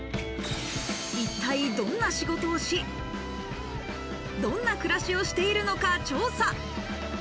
一体どんな仕事をし、どんな暮らしをしているのか調査。